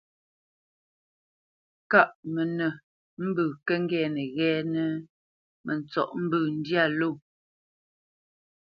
Kâʼ mənə mbə̂ kə́ ŋgɛ́nə ghɛ́ɛ́nə́, mə ntsɔ́ʼ mbə̂ ndyâ ló.